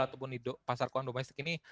ataupun di pasar keuangan domestik ini